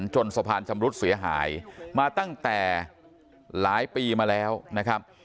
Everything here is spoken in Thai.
จนสะพานชำรุดเสียหายมาตั้งแต่หลายปีมาแล้วนะครับ